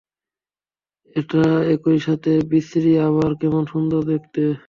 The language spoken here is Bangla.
এটা একই সাথে বিশ্রী আবার কেমন সুন্দর দেখতে!